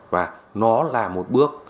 và nó là một bước